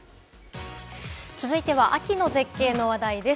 続いては、秋の絶景の話題です。